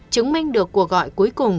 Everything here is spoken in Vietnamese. chứng minh được cuộc gọi cuối cùng